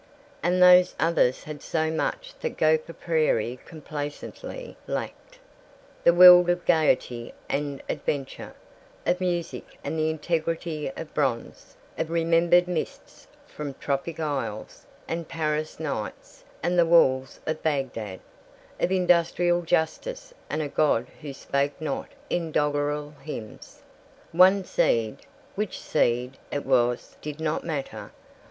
And those others had so much that Gopher Prairie complacently lacked the world of gaiety and adventure, of music and the integrity of bronze, of remembered mists from tropic isles and Paris nights and the walls of Bagdad, of industrial justice and a God who spake not in doggerel hymns. One seed. Which seed it was did not matter.